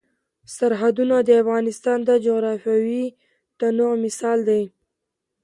سرحدونه د افغانستان د جغرافیوي تنوع مثال دی.